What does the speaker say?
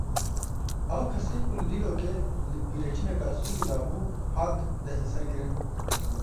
Ew kesê ku li Dîlokê li pîrejineka Sûrî dabû hat desteserkirin.